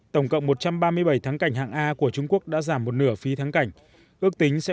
tổng cộng một trăm ba mươi bảy tháng cảnh hạng a của trung quốc đã giảm một nửa phí tháng cảnh ước tính sẽ